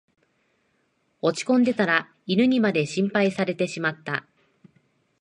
落ちこんでたら犬にまで心配されてしまった